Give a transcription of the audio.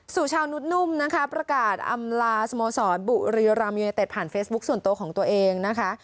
ชาวนุษนุ่มนะคะประกาศอำลาสโมสรบุรีรัมยูเนเต็ดผ่านเฟซบุ๊คส่วนตัวของตัวเองนะคะ